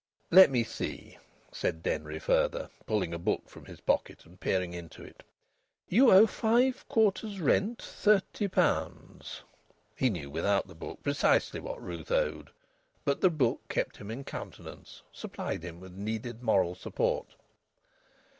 "Let me see," said Denry further, pulling a book from his pocket and peering into it, "you owe five quarters' rent thirty pounds." He knew without the book precisely what Ruth owed, but the book kept him in countenance, supplied him with needed moral support.